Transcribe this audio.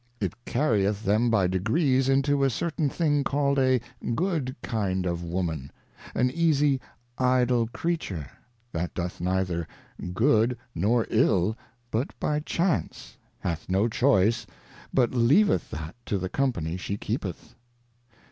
It carrieth them by degrees into a certain thing called a good kind of Woman, an easie Idle Creature, that doth neither Good nor III but by chance, hath no Choice, but leaveth that to the Company she keepeth.